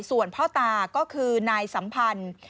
ส่วนพ่อตาก็คือนายสัมพันธ์